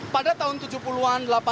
pada tahun tujuh puluh an